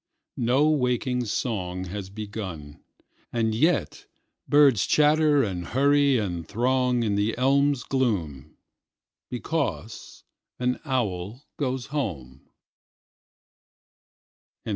No waking song has begun, And yet birds chatter and hurryAnd throng in the elm's gloomBecause an owl goes home.